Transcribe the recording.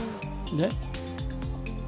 ねっ。